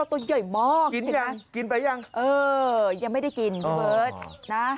ตัวใหญ่มากเห็นไหมเออยังไม่ได้กินเบิร์ดนะ